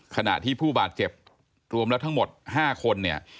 ขณะที่ผู้บาดเจ็บรวมแล้วทั้งหมด๕คนเนี่ย